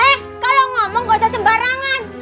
eh kalau ngomong gak usah sembarangan